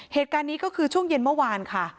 เหตุการณ์นี้ก็คือช่วงเย็นเมื่อวานค่ะ